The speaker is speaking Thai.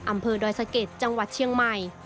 อำเภอดอยสะเก็ดจังหวัดเชียงใหม่